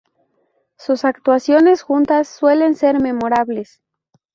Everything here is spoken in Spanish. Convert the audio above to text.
Sus actuaciones juntas suelen ser memorables.